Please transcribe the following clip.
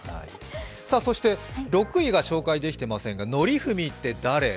そして６位が紹介できていませんがのりふみって誰？